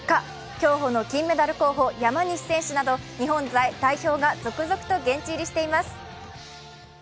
競歩の金メダル候補、山西選手など日本代表が続々と現地入りしています。